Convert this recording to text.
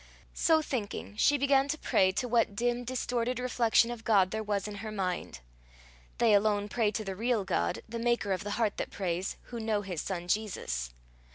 So thinking, she began to pray to what dim distorted reflection of God there was in her mind. They alone pray to the real God, the maker of the heart that prays, who know his son Jesus.